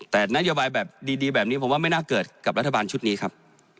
แต่นโยบายแบบดีแบบนี้ผมว่าไม่น่าเกิดกับรัฐบาลชุดนี้ครับ